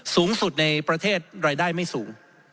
สูงสุดในประเทศรายได้ไม่สูง